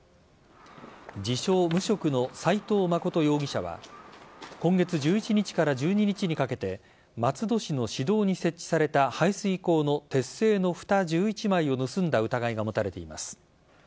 自称・無職の斎藤真容疑者は今月１１日から１２日にかけて松戸市の市道に設置された排水溝の鉄製のふた１１枚を盗んだ疑いが持たれています。